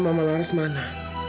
ayang selalu kena kena